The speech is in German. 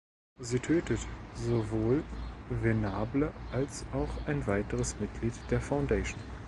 Sie tötet sowohl Venable als auch ein weiteres Mitglied der Foundation.